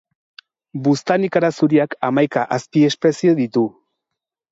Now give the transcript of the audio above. Buztanikara zuriak hamaika azpiespezie ditu.